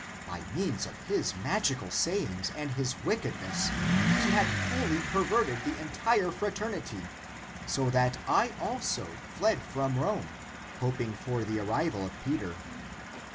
By means of his magical sayings and his wickedness he had wholly perverted the entire fra ternity, so that I also fled from Rome hoping for the arrival of Peter.